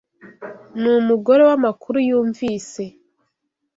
Numugore wamakuru yumvise